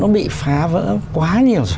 bị phá vỡ quá nhiều rồi